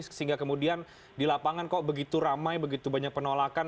sehingga kemudian di lapangan kok begitu ramai begitu banyak penolakan